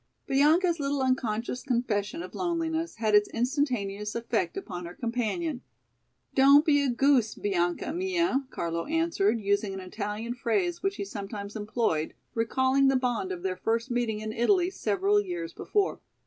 Bianca's little unconscious confession of loneliness had its instantaneous effect upon her companion. "Don't be a goose, Bianca mia," Carlo answered, using an Italian phrase which he sometimes employed, recalling the bond of their first meeting in Italy several years before.